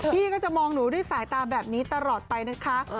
พี่ก็จะมองหนูด้วยสายตาแบบนี้ตลอดไปนะคะ